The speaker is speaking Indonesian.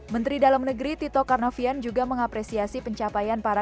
menteri dalam negeri tito karnovian juga mengapresiasi pencapaian parah